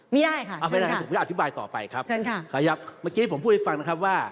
ไม่ได้ค่ะเชิญค่ะเชิญค่ะขยับไม่ได้ผมอธิบายต่อไปครับ